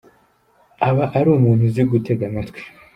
Aba ari umuntu uzi gutega amatwi .